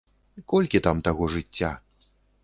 Колькі там таго жыцця?